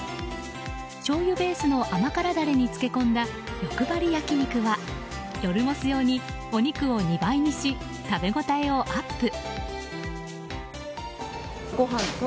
しょうゆベースの甘辛ダレに漬け込んだよくばり焼肉は夜モス用にお肉を２倍にし食べ応えをアップ。